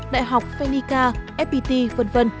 đại học phenica fpt v v